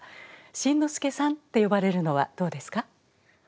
新之助さんって呼ばれるのはどうですか？